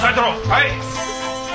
はい！